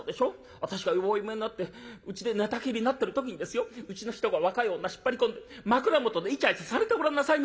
私がよぼよぼになってうちで寝たきりになってる時にですようちの人が若い女引っ張り込んで枕元でイチャイチャされてごらんなさいましよ。